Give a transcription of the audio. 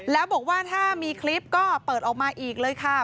แล้วบอกว่าถ้ามีคลิปก็เปิดออกมาอีกเลยค่ะ